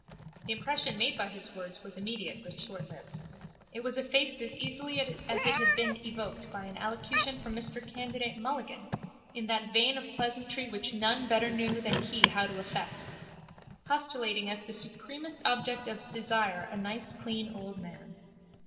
The impression made by his words was immediate but shortlived. It was effaced as easily as it had been evoked by an allocution from Mr Candidate Mulligan in that vein of pleasantry which none better than he knew how to affect, postulating as the supremest object of desire a nice clean old man.